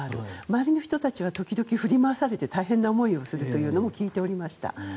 周りの人たちは時々振り回されて大変な思いをするというのは聞いておりました。